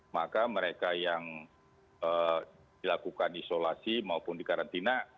maka mereka yang dilakukan isolasi maupun di karantina